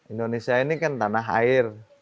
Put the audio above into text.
indonesia ini kan tanah air